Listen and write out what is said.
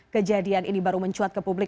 kejadian ini baru mencuat ke publik